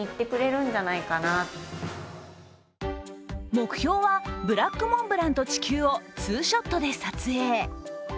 目標はブラックモンブランと地球をツーショットで撮影。